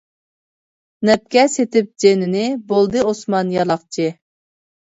نەپكە سېتىپ جېنىنى، بولدى ئوسمان يالاقچى.